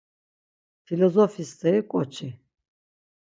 Filozofi steri ǩoçi...